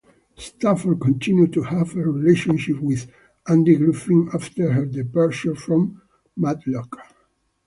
Stafford continued to have a relationship with Andy Griffith after her departure from "Matlock".